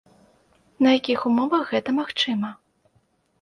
На якіх умовах гэта магчыма?